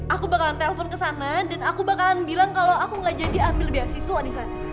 aku bakalan telpon ke sana dan aku bakalan bilang kalau aku gak jadi ambil beasiswa di sana